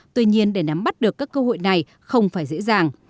tuy nhiên để nắm bắt được các cơ hội này không phải dễ dàng